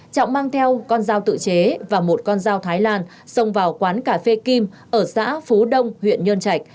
trọng mang theo con dao tự chế và một con dao thái lan xông vào quán cà phê kim ở xã phú đông huyện nhơn trạch